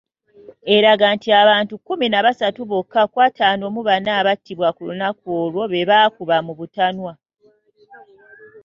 Eraga nti abantu kkumi na basatu bokka ku ataano mu bana abattibwa ku olwo be baakuba mu butanwa.